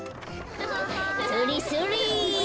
それそれ。